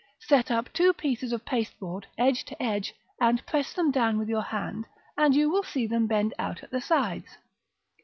Set up two pieces of pasteboard, edge to edge, and press them down with your hand, and you will see them bend out at the sides.